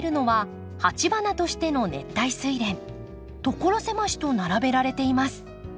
所狭しと並べられています。